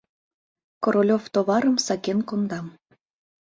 Королёв товарым сакен конда.